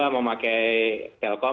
dua memakai telkom